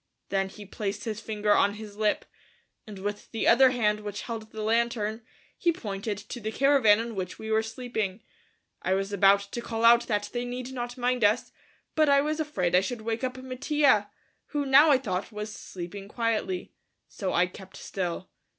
Then he placed his finger on his lip, and with the other hand which held the lantern, he pointed to the caravan in which we were sleeping. I was about to call out that they need not mind us, but I was afraid I should wake up Mattia, who now, I thought, was sleeping quietly, so I kept still.